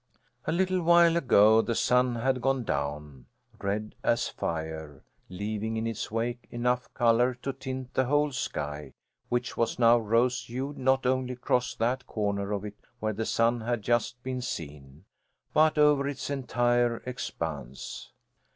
A little while ago the sun had gone down, red as fire, leaving in its wake enough colour to tint the whole sky, which was now rose hued not only across that corner of it where the sun had just been seen, but over its entire expanse.